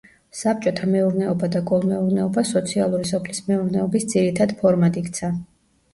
საბჭოთა მეურნეობა და კოლმეურნეობა სოციალური სოფლის მეურნეობის ძირითად ფორმად იქცა.